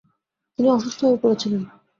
তিনি অসুস্থ হয়ে পড়েছিলন।